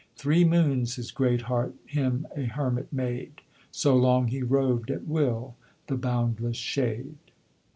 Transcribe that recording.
Three moons his great heart him a hermit made, So long he roved at will the boundless shade."